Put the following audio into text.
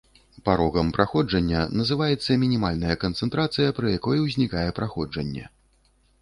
Парогам праходжання называецца мінімальная канцэнтрацыя, пры якой узнікае праходжанне.